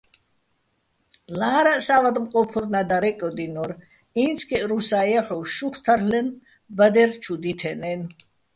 ლა́რაჸ სა́ვანტყოფორნა́ დარე́კოდინორ: ინცგეჸ რუსაჼ ჲაჰ̦ოვ შუხ თარ'ლენო̆ ბადერ ჩუ დითენაჲნო̆.